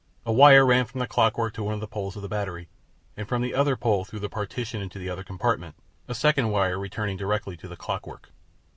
A wire ran from the clockwork to one of the poles of the battery, and from the other pole through the partition into the other compartment, a second wire returning directly to the clockwork.